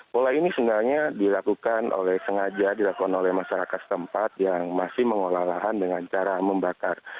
pola ini sebenarnya dilakukan oleh sengaja dilakukan oleh masyarakat setempat yang masih mengolah lahan dengan cara membakar